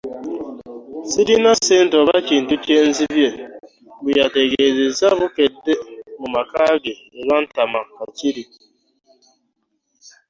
Sirina ssente oba kintu kye nzibye, bwe yategeezezza Bukedde mu maka ge e Lwantama, Kakiri.